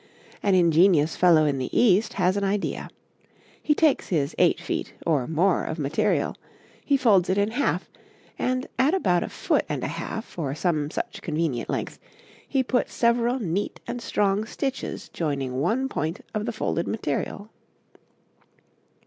An ingenious fellow in the East has an idea: he takes his 8 feet or more of material; he folds it in half, and at about a foot and a half, or some such convenient length, he puts several neat and strong stitches joining one point of the folded material.